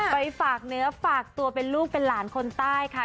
ไปฝากเนื้อฝากตัวเป็นลูกเป็นหลานคนใต้ค่ะ